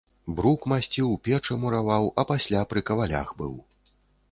Брук масціў, печы мураваў, а пасля пры кавалях быў.